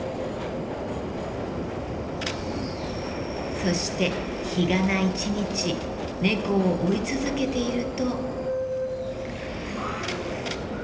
そして日がな一日猫を追い続けていると。